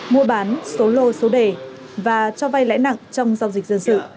mua bán số lô số đề và cho vay lãi nặng trong giao dịch dân sự